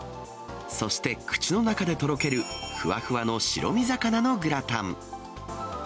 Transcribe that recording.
そして口の中でとろけるふわふわの白身魚のグラタン。